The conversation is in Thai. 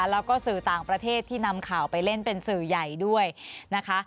แล้วก็สื่อต่างประเทศที่นำข่าวไปเล่นเป็นสื่อใหญ่ด้วยนะคะ